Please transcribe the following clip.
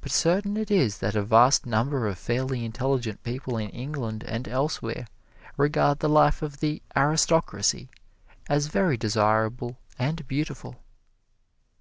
But certain it is that a vast number of fairly intelligent people in England and elsewhere regard the life of the "aristocracy" as very desirable and beautiful.